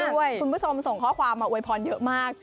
คุณผู้ชมส่งข้อความมาอวยพรเยอะมาก